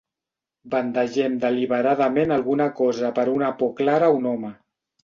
Bandegem deliberadament alguna cosa per una por clara a un home.